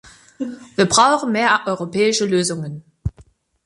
Wir brauchen mehr europäische Lösungen.